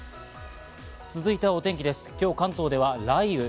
続いてはお天気です、今日、関東では雷雨。